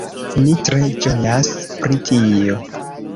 Ni tre ĝojas pri tio